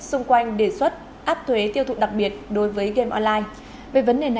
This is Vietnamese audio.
xung quanh đề xuất áp thuế tiêu thụ đặc biệt đối với game online